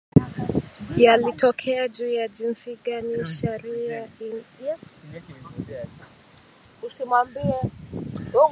yalitokea juu ya jinsi gani sharia inaathiri raia wasio Waislamu Lugha